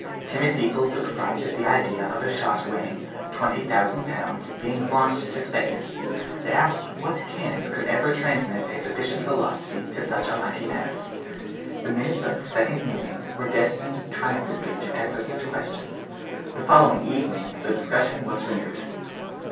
Timid people took fright at the idea of a shot weighing 20,000 pounds being launched into space; they asked what cannon could ever transmit a sufficient velocity to such a mighty mass. The minutes of the second meeting were destined triumphantly to answer such questions. The following evening the discussion was renewed.